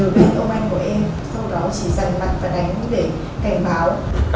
ông anh của em sau đó chỉ dành mặt và đánh để cảnh báo